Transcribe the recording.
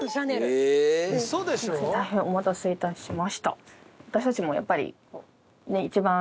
大変お待たせ致しました。